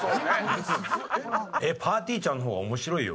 「えっぱーてぃーちゃんの方が面白いよ」。